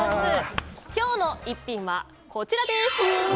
今日の逸品はこちらです。